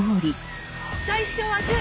最初はグ。